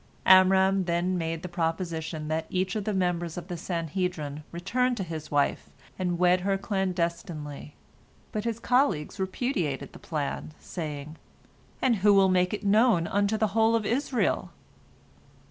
Amram then made the proposition that each of the members of the Sanhedrin return to his wife, and wed her clandestinely, but his colleagues repudiated the plan, saying, "And who will make it known unto the whole of Israel?